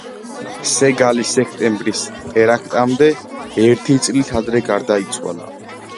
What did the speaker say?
სეგალი სექტემბრის ტერაქტამდე ერთი წლით ადრე გარდაიცვალა.